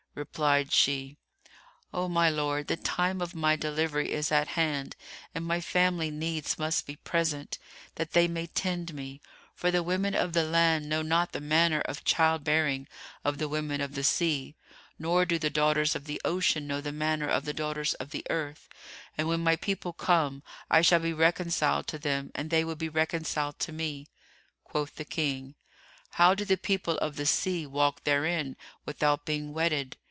Replied she, "O my lord, the time of my delivery is at hand and my family needs must be present, that they may tend me; for the women of the land know not the manner of child bearing of the women of the sea, nor do the daughters of the ocean know the manner of the daughters of the earth; and when my people come, I shall be reconciled to them and they will be reconciled to me." Quoth the King, "How do the people of the sea walk therein, without being wetted?"